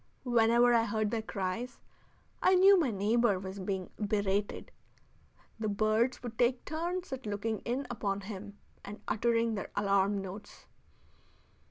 Whenever I heard their cries, I knew my neighbor was being berated. The birds would take turns at looking in upon him and uttering their alarm notes.